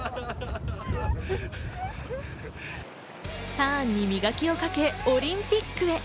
ターンに磨きをかけ、オリンピックへ。